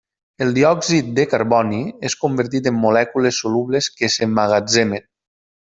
El diòxid de carboni és convertit en molècules solubles que s'emmagatzemen.